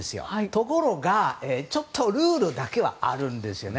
ところが、ちょっとルールだけはあるんですね。